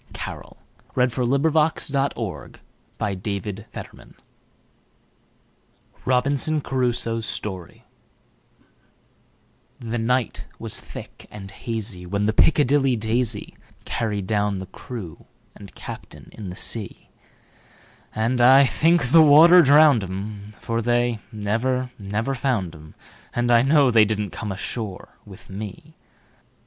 Modern American Poetry. 1919. Charles E. Carryl1841–1920 Robinson Crusoe's Story THE NIGHT was thick and hazyWhen the "Piccadilly Daisy"Carried down the crew and captain in the sea; And I think the water drowned 'em; For they never, never found 'em, And I know they didn't come ashore with me.